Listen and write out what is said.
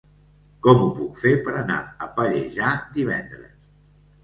Com ho puc fer per anar a Pallejà divendres?